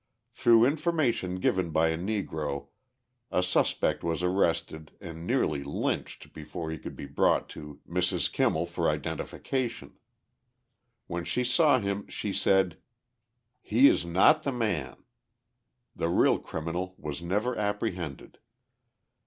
Through information given by a Negro a suspect was arrested and nearly lynched before he could be brought to Mrs. Kimmel for identification; when she saw him she said: "He is not the man." The real criminal was never apprehended.